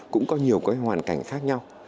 cũng có nhiều cái hoàn cảnh khác nhau